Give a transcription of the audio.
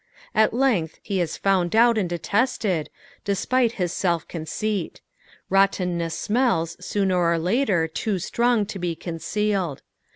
At length he is found out and detested, despite hia aeU conceit. Rottenness smells sooner or lat«r too Btrong to be concealed.